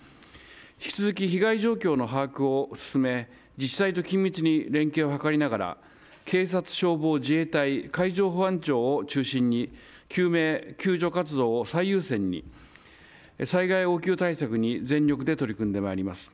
引き続き被害状況の把握を進め自治体と緊密に連携を図りながら警察、消防自衛隊、海上保安庁を中心に救命救助活動を最優先に災害応急対策に全力で取り組んでまいります。